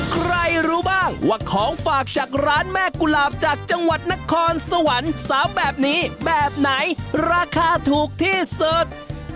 ใครรู้บ้างว่าของฝากจากร้านแม่กุหลาบจากจังหวัดนครสวรรค์๓แบบนี้แบบไหนราคาถูกที่สุด